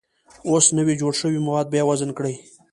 اوس نوي جوړ شوي مواد بیا وزن کړئ.